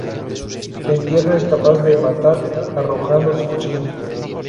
En tierra es capaz de matar arrojando su cuchillo.